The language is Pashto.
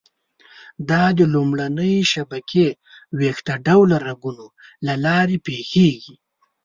دا د لومړنۍ شبکې ویښته ډوله رګونو له لارې پېښېږي.